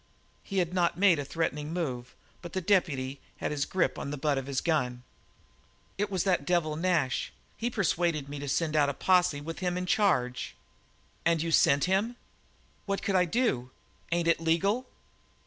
He had not made a threatening move, but the deputy had his grip on the butt of his gun. "It was that devil Nash. He persuaded me to send out a posse with him in charge." "And you sent him?" "What could I do? Ain't it legal?"